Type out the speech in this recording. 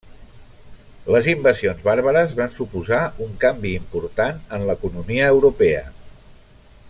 Les invasions bàrbares van suposar un canvi important en l'economia europea.